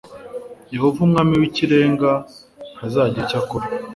Yehova Umwami w Ikirenga ntazagira icyo akora